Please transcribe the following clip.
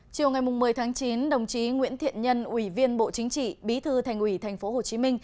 chiều ngày một mươi tháng chín đồng chí nguyễn thiện nhân ủy viên bộ chính trị bí thư thành ủy tp hcm